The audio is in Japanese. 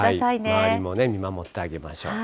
周りも見守ってあげましょう。